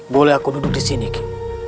boleh aku duduk disini